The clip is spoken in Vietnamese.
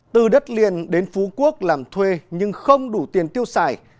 từ đất liền đến phú quốc làm thuê nhưng không đủ tiền tiêu xài